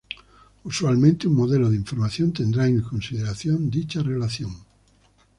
Usualmente un modelo de información tendrá en consideración dicha relación.